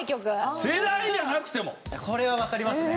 これはわかりますね。